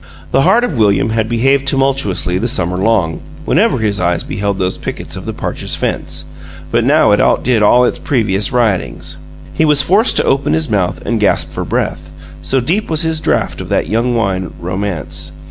The heart of William had behaved tumultuously the summer long, whenever his eyes beheld those pickets of the Parchers' fence, but now it outdid all its previous riotings. He was forced to open his mouth and gasp for breath, so deep was his draught of that young wine, romance.